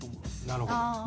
なるほど。